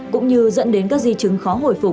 cũng như dẫn đến các di chứng khó hồi phục